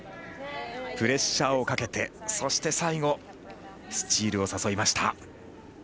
プレッシャーをかけてそして最後スチールを誘いました。